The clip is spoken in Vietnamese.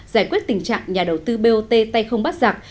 giải quyết tình trạng nhà đầu tư bot tay không bắt giặc